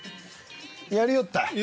やりよったい。